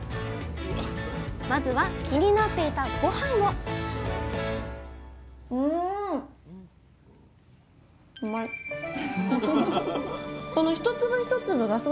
まずは気になっていたごはんを艶も出るしね。